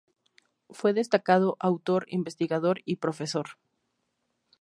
Fue destacado autor, investigador, y profesor.